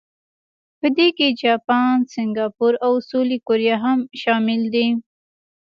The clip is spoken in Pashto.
په دې کې جاپان، سنګاپور او سویلي کوریا هم شامل دي.